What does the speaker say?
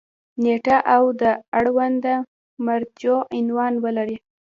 نیټه او د اړونده مرجع عنوان ولري.